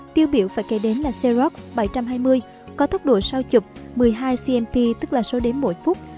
tiêu biểu phải kể đến là seoks bảy trăm hai mươi có tốc độ sao chụp một mươi hai cmp tức là số đếm mỗi phút